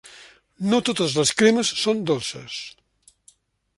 No totes les cremes són dolces.